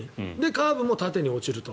カーブも縦に落ちると。